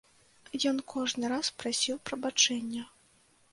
Ён кожны раз прасіў прабачэння.